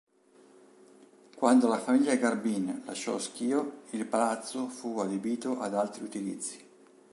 Quando la famiglia Garbin lasciò Schio, il palazzo fu adibito ad altri utilizzi.